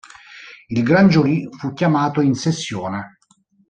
Il gran giurì fu chiamato in sessione.